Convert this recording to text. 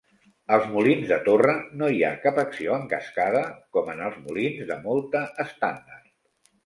Als molins de torre no hi ha cap acció en cascada com en els molins de molta estàndard.